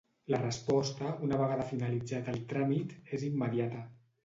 La resposta, una vegada finalitzat el tràmit, és immediata.